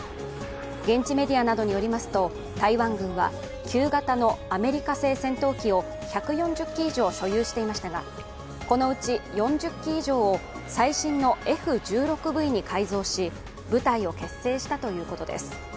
現地メディアなどによりますと、台湾軍は旧型のアメリカ製戦闘機を１４０機以上所有していましたがこのうち４０機以上を最新のＦ−１６Ｖに改造し部隊を結成したということです。